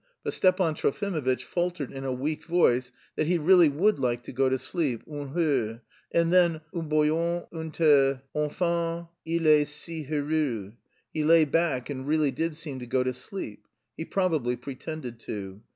But Stepan Trofimovitch faltered in a weak voice that he really would like to go to sleep une heure, and then un bouillon, un thé.... enfin il est si heureux. He lay back and really did seem to go to sleep (he probably pretended to).